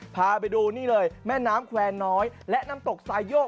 พาไปดูนี่เลยแม่น้ำแควร์น้อยและน้ำตกสายโยก